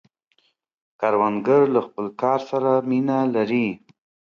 کروندګر له خپل کار سره مینه لري